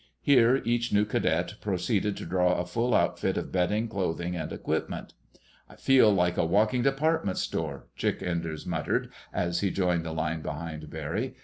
Here each new cadet proceeded to draw a full outfit of bedding, clothing, and equipment. "I feel like a walking department store!" Chick Enders muttered as he joined the line behind Barry.